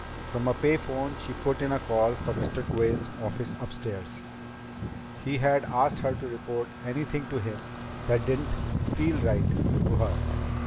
From a pay phone she put in a call for Mr. Quayle's office upstairs. He had asked her to report anything to him that didn't "feel" right to her.